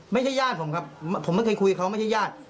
ญาติผมครับผมไม่เคยคุยกับเขาไม่ใช่ญาติ